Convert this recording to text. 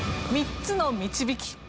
「３つの導き」。